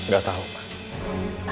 gak tau ma